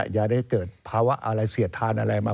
อย่าได้เกิดภาวะอะไรเสียดทานอะไรมา